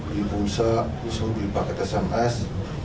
beli pulsa terus beli paket sms